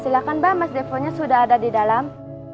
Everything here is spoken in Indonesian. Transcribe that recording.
silakan mbak mas deponya sudah ada di dalam